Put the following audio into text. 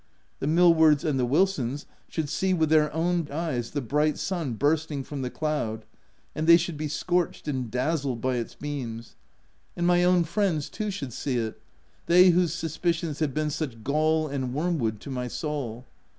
The Millwards and the Wilsons should see with their own eyes, the bright sun bursting from the cloud — and they should be scorched and dazzled by its beams ;— and my OF WILDFELL HALL. 223 own friends too should see it —they whose sus picions had been such gall and wormwood to my soul.